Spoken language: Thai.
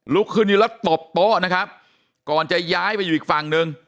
ขึ้นอยู่แล้วตบโต๊ะนะครับก่อนจะย้ายไปอยู่อีกฝั่งหนึ่ง